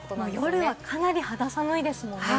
夜はかなり肌寒いですもんね。